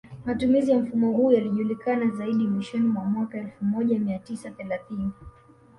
Matumizi ya mfumo huu yalijulikana zaidi mwishoni mwa mwaka elfu moja mia tisa thelathini